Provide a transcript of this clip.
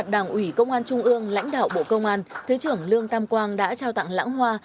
đảng ủy công an trung ương lãnh đạo bộ công an thứ trưởng lương tam quang đã trao tặng lãng hoa